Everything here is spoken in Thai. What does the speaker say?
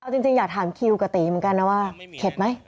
จริงอยากถามคิวกับตีเหมือนกันนะว่าเข็ดไหม